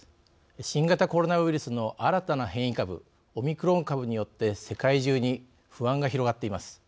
新型コロナウイルスの新たな変異株オミクロン株によって世界中に不安が広がっています。